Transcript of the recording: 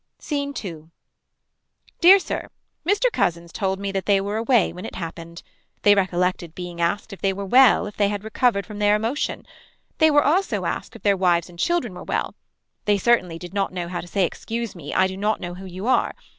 SCENE 2. Dear Sir. Mr. Cousins told me that they were away when it happened. They recollected being asked if they were well if they had recovered from their emotion. They were also asked if their wives and children were well. They certainly did not know how to say excuse me I do not know who you are.